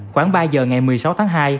khoảng ba giờ ngày một mươi sáu tháng hai